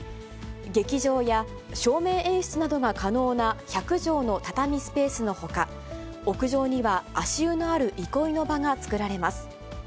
劇場や照明演出などが可能な１００畳の畳スペースのほか、屋上には足湯のある憩いの場が作られます。